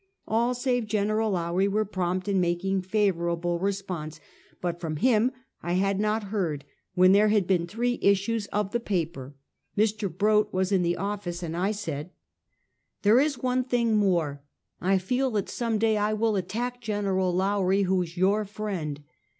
All, save Gen. Lowrie, were prompt in making favorable response; but from him I had not heard, when there had been three issues of the paper. Mr. Brott was in the office, and I said: Another Yisitek. 179 " There is one tiling more. I feel that some day I will attack Gen. Lowrie, who is your friend.